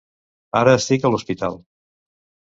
Ara estic a l'hospital.